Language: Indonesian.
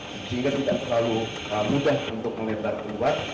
sehingga tidak terlalu mudah untuk melebar keluar